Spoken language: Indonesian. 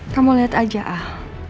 kamu lihat aja ah